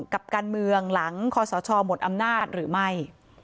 กับการเมืองหลังคอสชหมดอำนาจหรือไม่